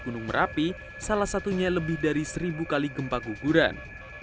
gunung merapi salah satunya lebih dari seribu kali gempa guguran